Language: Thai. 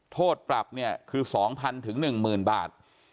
โทษปรับเนี่ยคือ๒๐๐๑๐๐๐บาท